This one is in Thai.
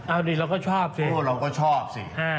เอาดิเราก็ชอบสิเราก็ชอบสิ